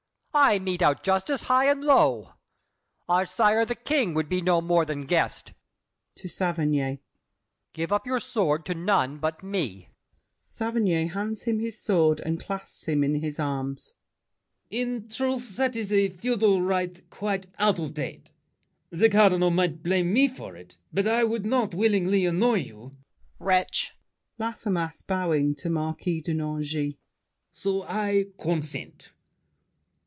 I mete out justice high and low. Our sire the King would be no more than guest. [To Saverny.] Give up your sword to none but me. [Saverny hands him his sword, and clasps him in his arms. LAFFEMAS. In truth, That is a feudal right quite out of date. The Cardinal might blame me for it, but I would not willingly annoy you— DIDIER. Wretch! LAFFEMAS (bowing to Marquis de Nangis). So I consent.